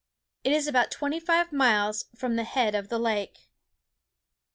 It is about twenty five miles from the head of the lake.